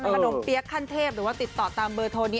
ขนมเปี๊ยกขั้นเทพหรือว่าติดต่อตามเบอร์โทรนี้